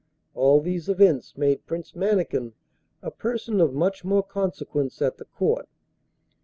All these events made Prince Mannikin a person of much more consequence at the Court.